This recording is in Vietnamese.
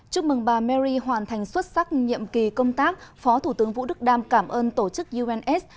chúc mừng bà mary hoàn thành xuất sắc nhiệm kỳ công tác phó thủ tướng vũ đức đam cảm ơn tổ chức uns